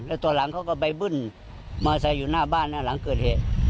แล้วตอนหลังเขาก็ไปบึ้นมอไซค์อยู่หน้าบ้านหลังเกิดเหตุ